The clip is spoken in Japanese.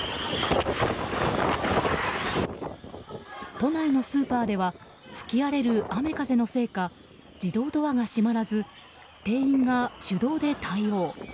都内のスーパーでは吹き荒れる雨風のせいか自動ドアが閉まらず店員が手動で対応。